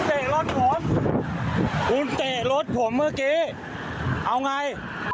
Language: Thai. เตะรถผมคุณเตะรถผมเมื่อกี้เอาไง